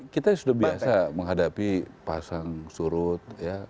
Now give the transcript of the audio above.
kita sudah biasa menghadapi pasang surut